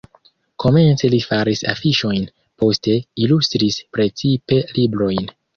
Komence li faris afiŝojn, poste ilustris precipe librojn.